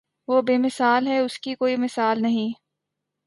وہ بے مثال ہے اس کی کوئی مثال نہیں